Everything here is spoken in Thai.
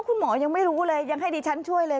คุณหมอยังไม่รู้เลยยังให้ดิฉันช่วยเลย